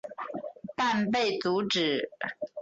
但被阻止。